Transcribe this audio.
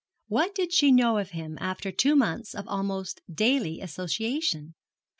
What did she know of him after two months of almost daily association?